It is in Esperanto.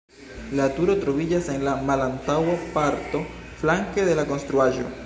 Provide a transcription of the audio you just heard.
La turo troviĝas en la malantaŭa parto flanke de la konstruaĵo.